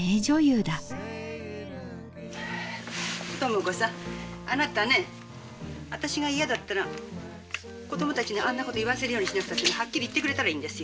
「知子さんあなたね私が嫌だったら子どもたちにあんなこと言わせるようにしなくたってねはっきり言ってくれたらいいんですよ。